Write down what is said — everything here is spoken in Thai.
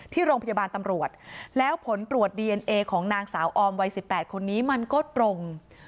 ที่โรงพยาบาลตำรวจแล้วผลตรวจดีเอนเอของนางสาวออมวัย๑๘คนนี้มันก็ตรง